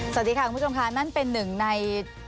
สวัสดีค่ะคุณผู้ชมค่ะนั่นเป็นหนึ่งใน